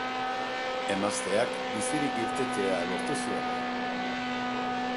Emazteak bizirik irtetea lortu zuen.